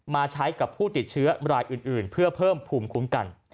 มาใช้กับผู้ติดเชื้อรายอื่นเพื่อเพิ่มภูมิคุ้มกัน